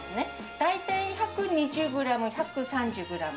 大体１２０グラム、１３０グラム。